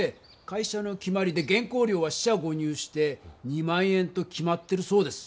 会社の決まりで原稿料は四捨五入して２万円と決まってるそうです。